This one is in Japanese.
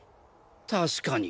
確かに。